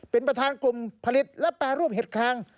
เป็นประธานกลุ่มผลิตและแปรรูปเห็ดคาง